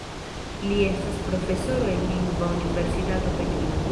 Li estas profesoro en Lingva Universitato Pekina.